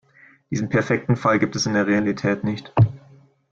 Diesen perfekten Fall gibt es in der Realität nicht.